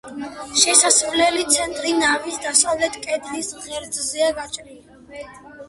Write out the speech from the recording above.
შესასვლელი ცენტრი ნავის დასავლეთ კედლის ღერძზეა გაჭრილი.